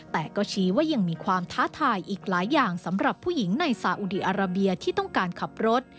แต่ก็ชี้ว่ายังมีความท้าทายอีกหลายอย่างสำหรับผู้หญิงในสาอุดีอาราเบียที่ต้องการขับรถ